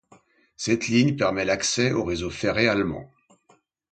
Cette ligne permet l'accès au réseau ferré allemand.